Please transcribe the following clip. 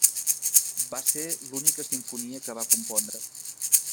Va ser l'única simfonia que va compondre.